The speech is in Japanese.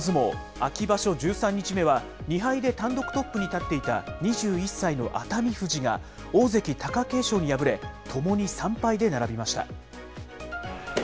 秋場所１３日目は、２敗で単独トップに立っていた２１歳の熱海富士が、大関・貴景勝に敗れ、ともに３敗で並びました。